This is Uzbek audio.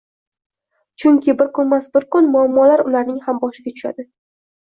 Chunki bir kunmas-bir kun muammolar ularning ham boshiga tushadi.